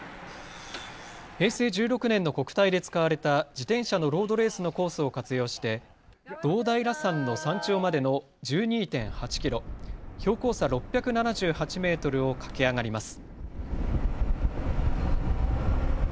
平成１６年の国体で使われた自転車のロードレースのコースを活用して堂平山の山頂までの１２．８キロ、標高差６７８メートルを駆け上がります。